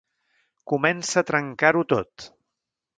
Comença a trencar-ho tot.